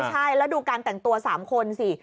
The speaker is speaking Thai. ใช่แล้วดูการแต่งตัว๓คนสิ